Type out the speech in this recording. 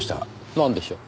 なんでしょう？